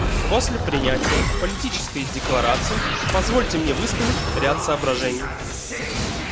После принятия Политической декларации позвольте мне высказать ряд соображений.